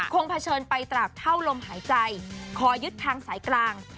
เผชิญไปตราบเท่าลมหายใจขอยึดทางสายกลาง